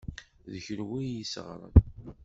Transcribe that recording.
D kunwi i y-isseɣren.